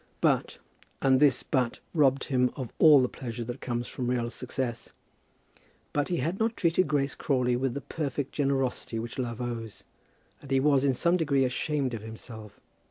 But, and this but robbed him of all the pleasure which comes from real success, but he had not treated Grace Crawley with the perfect generosity which love owes, and he was in some degree ashamed of himself.